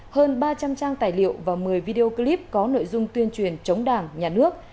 hơn ba trăm linh trang tài liệu và một mươi video clip có nội dung tuyên truyền chống đảng nhà nước